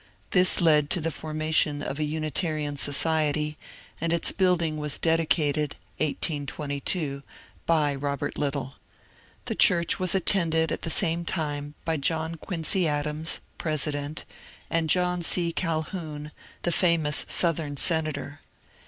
This led to the for mation of a Unitarian society, and its building was dedicated (1822) by Bobert Little. The church was attended at the same time by John Quincy Adams, President, and John C. Calhoun, the famous Southern senator.